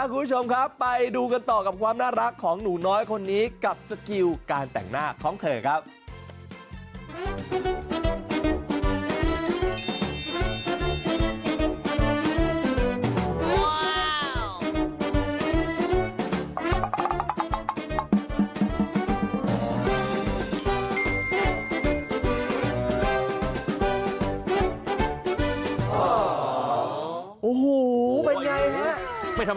คุณผู้ชมครับไปดูกันต่อกับความน่ารักของหนูน้อยคนนี้กับสกิลการแต่งหน้าของเธอครับ